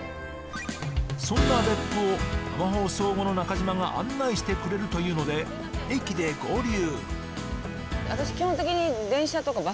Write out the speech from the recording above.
そんな別府を生放送後の中島が案内してくれるというので駅で合流。